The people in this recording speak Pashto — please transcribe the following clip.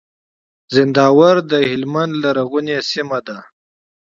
زينداور د هلمند لرغونې سيمه ده.